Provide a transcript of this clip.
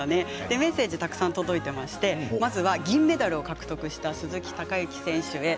メッセージたくさん届いていましてまずは銀メダルを獲得した鈴木孝幸選手へ。